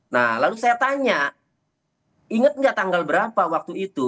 nah lalu saya tanya ingat nggak tanggal berapa waktu itu